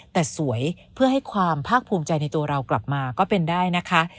แต่สวยเพื่อให้ความภาคภูมิใจในตัวเรากลับมาก็เป็นได้นะคะ